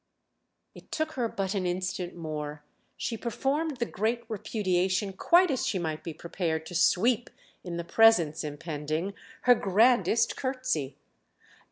It took her but an instant more—she performed the great repudiation quite as she might be prepared to sweep, in the Presence impending, her grandest curtsey.